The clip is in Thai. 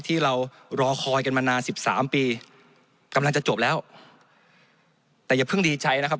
ที่เรารอคอยกันมานานสิบสามปีกำลังจะจบแล้วแต่อย่าเพิ่งดีใจนะครับ